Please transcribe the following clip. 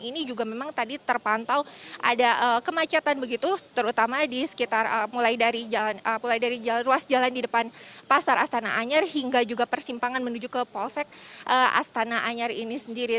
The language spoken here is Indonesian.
ini juga memang tadi terpantau ada kemacetan begitu terutama di sekitar mulai dari ruas jalan di depan pasar astana anyar hingga juga persimpangan menuju ke polsek astana anyar ini sendiri